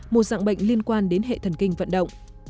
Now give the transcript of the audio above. một dạng bệnh liên quan đến hệ thần kinh vận động